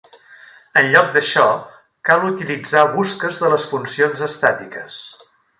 En lloc d'això, cal utilitzar busques de les funcions estàtiques.